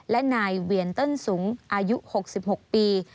และนายเวียนเติ้ลสูงอายุ๖๖ปี